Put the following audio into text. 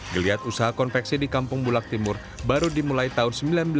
geliat usaha konveksi di kampung bulak timur baru dimulai tahun seribu sembilan ratus sembilan puluh